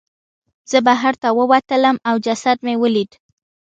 زه بهر ته ووتلم او جسد مې ولید.